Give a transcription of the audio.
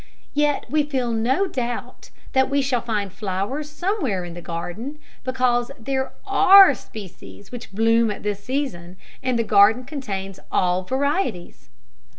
Yet we feel no doubt that we shall find flowers somewhere in the garden, because there are species which bloom at this season, and the garden contains all varieties.